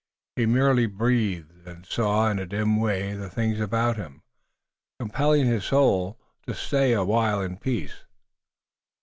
He merely breathed, and saw in a dim way the things about him, compelling his soul to stay a while in peace.